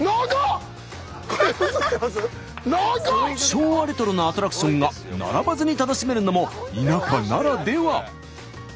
昭和レトロなアトラクションが並ばずに楽しめるのも田舎ならでは。